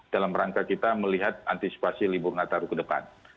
dalam rangka kita melihat antisipasi libur nataru ke depan